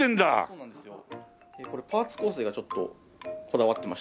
そうなんですよ。